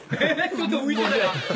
ちょっと浮いてたか？